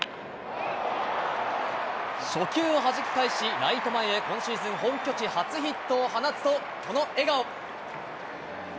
初球をはじき返し、ライト前へ、今シーズン本拠地初ヒットを放つと、この笑顔。